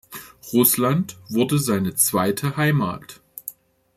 Russland wurde seine „zweite Heimat“.